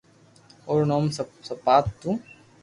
او رو نوم سيات ھتو